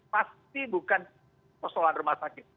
pasti bukan persoalan rumah sakit